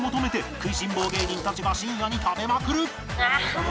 食いしん坊芸人たちが深夜に食べまくる